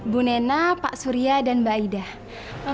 bu nena pak surya dan mbak aidah